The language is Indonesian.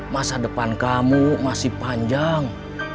masa depan kamu masih panjang